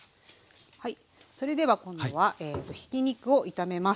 それでは今度はひき肉を炒めます。